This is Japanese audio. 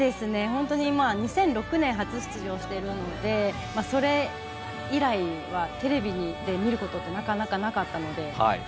本当に２００６年に初出場していますのでそれ以来、テレビで見ることはなかなかなかったので。